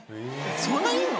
そんないんの？